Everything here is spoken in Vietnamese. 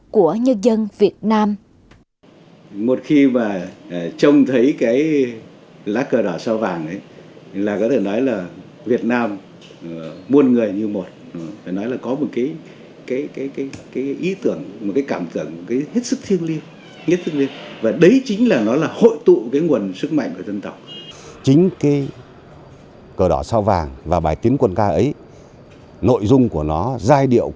của nhân dân việt nam